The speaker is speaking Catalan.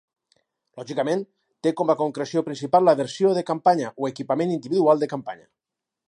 Lògicament, té com a concreció principal la versió de campanya, o equipament individual de campanya.